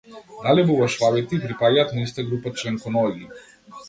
Дали бубашвабите и припаѓаат на иста група членконоги?